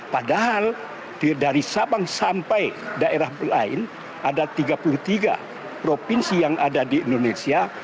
padahal dari sabang sampai daerah lain ada tiga puluh tiga provinsi yang ada di indonesia